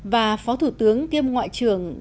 và phó thủ tướng kiêm ngoại trưởng